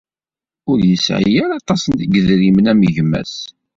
Ur yesɛi aṭas n yedrimen am gma-s.